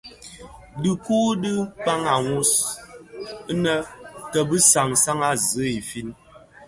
Dhiku u di kpaň wos, inne kibi sansan a zi infin,